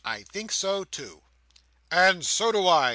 I think so too.'" "And so do I!"